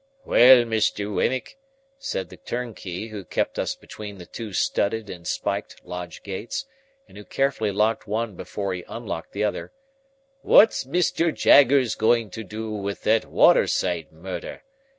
"Well, Mr. Wemmick," said the turnkey, who kept us between the two studded and spiked lodge gates, and who carefully locked one before he unlocked the other, "what's Mr. Jaggers going to do with that water side murder?